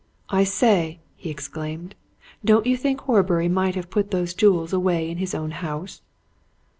"I say!" he exclaimed, "don't you think Horbury may have put those jewels away in his own house?"